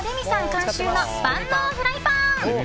監修の万能フライパン。